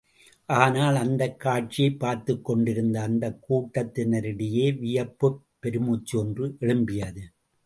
ஆனால், அந்தக் காட்சியைப் பார்த்துக்கொண்டிருந்த அந்தக் கூட்டத்தினரிடையே வியப்புப் பெருமூச்சு ஒன்று எழும்பியது.